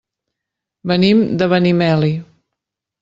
Venim de Benimeli.